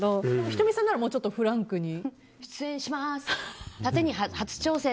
仁美さんならもうちょっとフランクに？